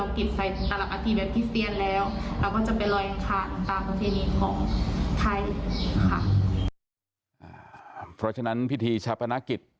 เราก็จะเป็นรอยขาดตามโทษทีนี้ของไทยค่ะเพราะฉะนั้นพิธีชะพนาคิด